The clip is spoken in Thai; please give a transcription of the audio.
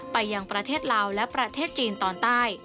ไปยังประเทศลาวและประเทศจีนตอนใต้